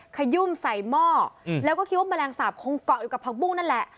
ขยุ่มใส่หม้อแล้วก็คิดว่าแมลงสาปคงเกาะอยู่กับผักบุ้งนั่นแหละ